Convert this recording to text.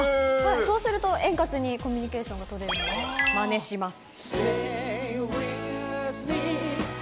そうすると、円滑にコミュニケーションが取れるので、まねします。